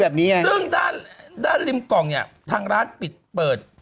มันซึ่งด้านด้านลิมกล่องเนี้ยอ่ะทางร้านปิดเปิด